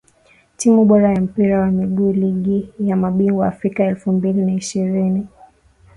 Timu bora ya Mpira wa Miguu Ligi ya Mabingwa Afrika elfu mbili na ishirini